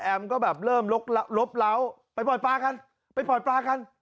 ก็แบบเริ่มลบเล้าไปปล่อยปลากันไปปล่อยปลากัน